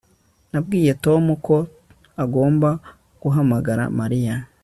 Nabwiye Tom ko agomba guhamagara Mariya